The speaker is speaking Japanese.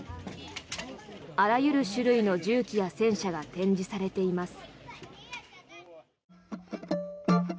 あらゆる種類の銃器や戦車が展示されています。